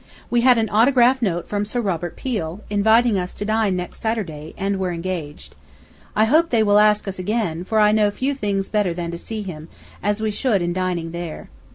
... We had an autograph note from Sir Robert Peel, inviting us to dine next Saturday, and were engaged. I hope they will ask us again, for I know few things better than to see him, as we should in dining there.